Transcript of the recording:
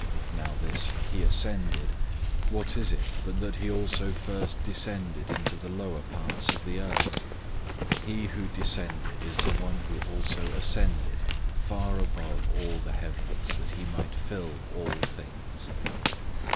"{Psalm 68:18} 004:009 Now this, "He ascended," what is it but that he also first descended into the lower parts of the earth? 004:010 He who descended is the one who also ascended far above all the heavens, that he might fill all things.